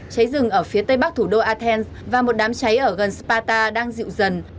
cháy rừng ở phía tây bắc thủ đô athens và một đám cháy ở gần spa đang dịu dần